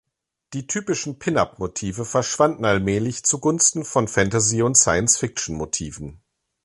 Die typischen Pin-up-Motive verschwanden allmählich zugunsten von Fantasy- und Science-Fiction-Motiven.